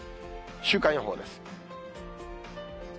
週間予報です。